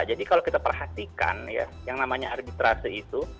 jadi kalau kita perhatikan ya yang namanya arbitrase itu